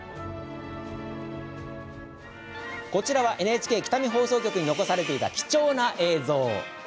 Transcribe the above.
こちらは、ＮＨＫ北見放送局に残されていた貴重な映像。